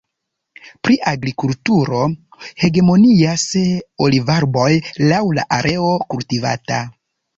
Pri agrikulturo hegemonias olivarboj laŭ la areo kultivata.